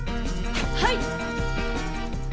はい！